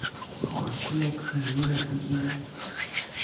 我吃了可妮的布丁